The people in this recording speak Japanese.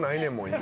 今。